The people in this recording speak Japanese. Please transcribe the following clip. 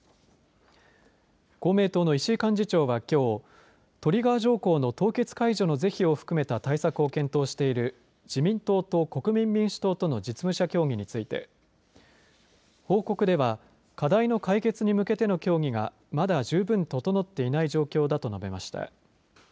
公明党の石井幹事長はきょうトリガー条項の凍結解除の是非を含めた対策を検討している自民党と国民民主党との実務者協議について報告では課題の解決に向けての協議がまだ十分整っていない状況だと述べました。